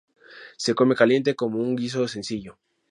Se come caliente, como un guiso sencillo.